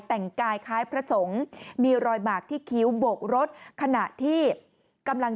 แต่งกายคล้ายพระสงฆ์มีรอยบากที่คิ้วโบกรถขณะที่กำลัง